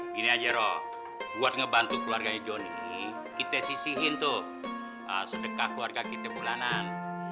gini aja roh buat ngebantu keluarganya johnny kita sisihin tuh sedekah keluarga kita bulanan